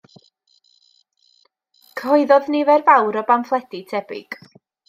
Cyhoeddodd nifer fawr o bamffledi tebyg.